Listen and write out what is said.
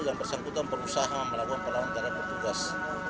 yang bersangkutan perusahaan melakukan pelawan terhadap petugas